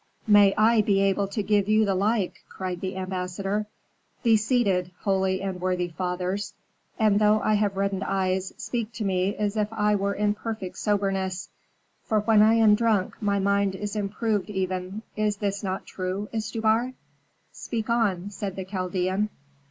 "May I be able to give you the like," cried the ambassador. "Be seated, holy and worthy fathers. And though I have reddened eyes, speak to me as if I were in perfect soberness; for when I am drunk my mind is improved even. Is this not true, Istubar?" "Speak on," said the Chaldean.